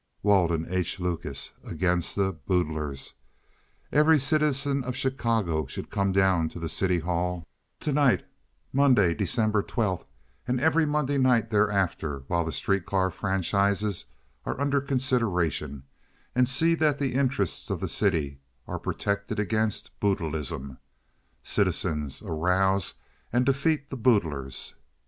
WALDEN H. LUCAS against the BOODLERS =========================== Every citizen of Chicago should come down to the City Hall TO NIGHT MONDAY, DEC. 12 =========================== and every Monday night thereafter while the Street car Franchises are under consideration, and see that the interests of the city are protected against BOODLEISM ========= _Citizens, Arouse and Defeat the Boodlers!